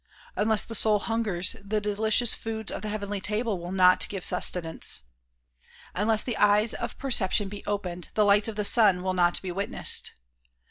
Unless the soul hungers the delicious foods of the heavenly table will not give sustenance. Unless the eyes of per ception be opened the lights of the sun will not be witnessed.